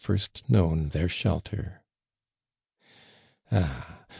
t known their shelter. Ah